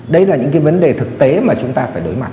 đấy là những cái vấn đề thực tế mà chúng ta phải đối mặt